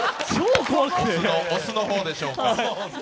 雄の方でしょうか。